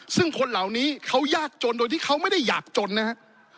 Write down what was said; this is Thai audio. ซึ่งคนเหล่านี้เขายากจนโดยที่เขาไม่ได้อยากจนนะครับ